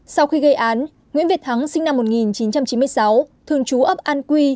sau khi gây án nguyễn việt thắng sinh năm một nghìn chín trăm chín mươi sáu thường trú ấp an quy